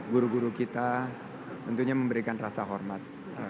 guru guru kita tentunya memberikan rasa hormat